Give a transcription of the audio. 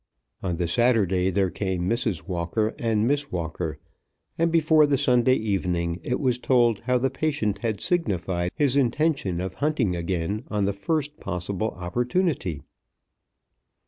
On the Saturday there came Mrs. Walker and Miss Walker, and before the Sunday evening it was told how the patient had signified his intention of hunting again on the first possible opportunity.